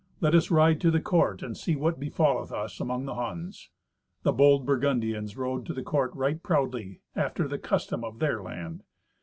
Let us ride to the court and see what befalleth us among the Huns." The bold Burgundians rode to the court right proudly, after the custom of their land.